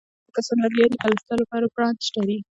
پنځۀ کسان لګيا دي پلستر لپاره پرانچ تړي